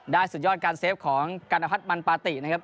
สุดยอดการเซฟของกัณพัฒน์มันปาตินะครับ